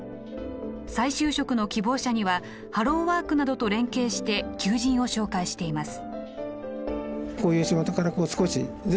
再就職の希望者にはハローワークなどと連携して求人を紹介しています。